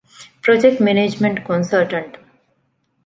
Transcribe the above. ޕްރޮޖެކްޓް މެނޭޖްމަންޓް ކޮންސަލްޓަންޓް